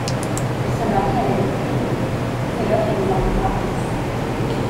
Il se marie avec toutes les deux; c'est là que les ennuis commencent...